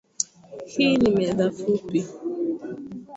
Hii ni meza fupi